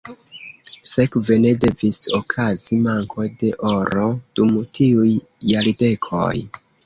Sekve ne devis okazi manko de oro dum tiuj jardekoj.